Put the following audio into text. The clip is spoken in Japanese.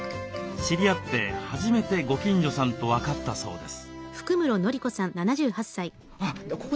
知り合って初めてご近所さんと分かったそうです。